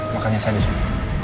makanya saya disini